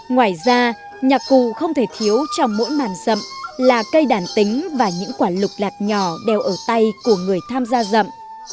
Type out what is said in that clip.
ngoài ra nhạc cụ không thể thiếu trong mỗi màn dầm là cây đàn tính và những quả lục lạc nhỏ đều ở tay của người tham gia dầm